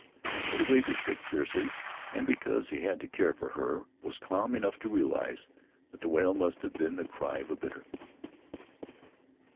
But he waved his stick fiercely, and, because he had to care for her, was calm enough to realize that the wail must have been the cry of the bittern.